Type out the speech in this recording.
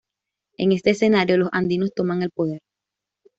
En este escenario los andinos toman el poder.